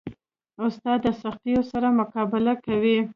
استاد د سختیو سره مقابله کوي.